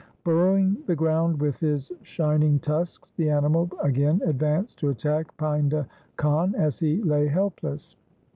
Burrowing the ground with his shining tusks, the animal again advanced to attack Painda Khan as he lay helpless.